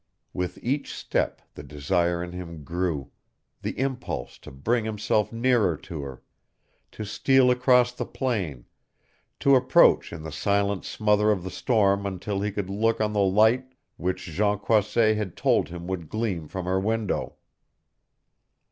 With each step the desire in him grew the impulse to bring himself nearer to her, to steal across the plain, to approach in the silent smother of the storm until he could look on the light which Jean Croisset had told him would gleam from her window.